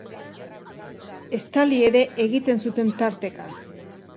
Estali ere egiten zuten tarteka.